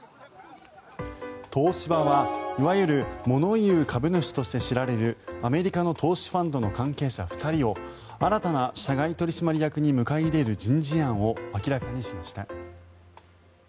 東芝は、いわゆる物言う株主として知られるアメリカの投資ファンドの関係者２人を新たな社外取締役に迎え入れる人事案を明らかにしました。